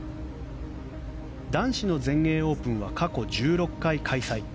男子の全英オープンは過去１６回開催。